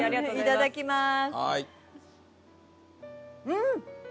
いただきます。